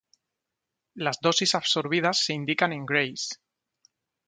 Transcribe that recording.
Las dosis absorbidas se indican en grays.